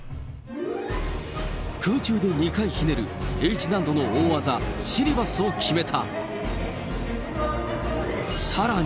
空中で２回ひねるＨ難度の大技のシリバスを決めた。